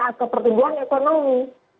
aset pertumbuhan ekonomi